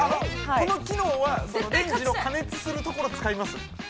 ◆この機能は、レンジの加熱するところ、使います？